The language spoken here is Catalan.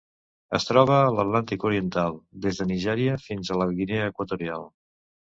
Es troba a l'Atlàntic oriental: des de Nigèria fins a la Guinea Equatorial.